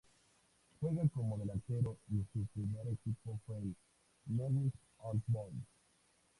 Juega como delantero y su primer equipo fue Newell's Old Boys.